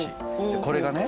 これがね。